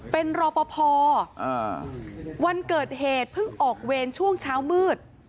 เป็นรอปภวันเกิดเหตุเพิ่งออกเวรช่วงเช้ามืด